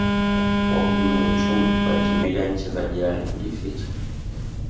wahujumu uchumi walikimbilia nchi za jirani kujificha